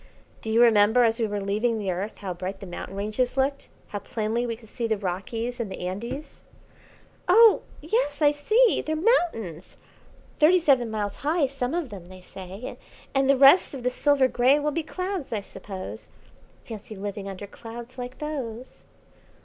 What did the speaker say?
"Do you remember as we were leaving the Earth, how bright the mountain ranges looked; how plainly we could see the Rockies and the Andes?" "Oh, yes, I see; they're mountains; thirty seven miles high, some of them, they say; and the rest of the silver grey will be clouds, I suppose. Fancy living under clouds like those."